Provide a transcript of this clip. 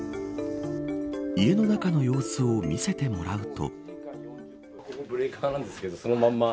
家の中の様子を見せてもらうと。